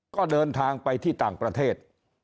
ก็เดินทางไปที่ต่างประเทศ